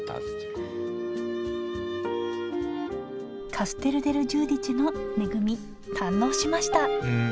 カステル・デル・ジューディチェの恵み堪能しましたうん。